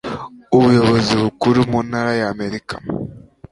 Ubuyobozi bukuru mu ntara ya Amerika